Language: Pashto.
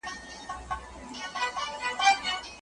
ساعت د وخت د تېرېدو کیسه کوي.